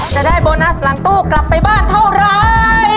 จะได้โบนัสหลังตู้กลับไปบ้านเท่าไร